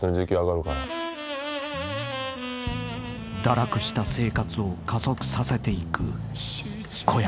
［堕落した生活を加速させていく小籔］